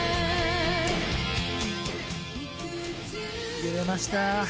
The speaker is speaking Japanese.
揺れました。